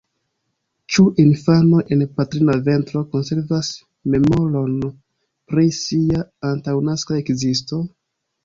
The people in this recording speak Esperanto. Ĉu infanoj en patrina ventro konservas memoron pri sia antaŭnaska ekzisto?